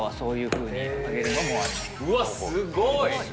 うわっすごい！